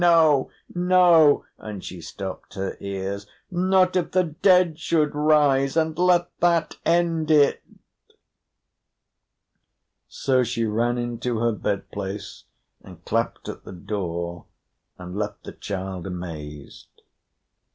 "No, no," and she stopped her ears, "not if the dead should rise, and let that end it!" So she ran into her bed place, and clapped at the door, and left the child amazed.